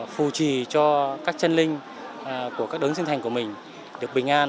phù trì cho các chân linh của các đớn sinh thành của mình được bình an